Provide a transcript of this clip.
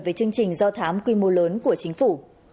về chương trình do thám quy mô lớn của chính phủ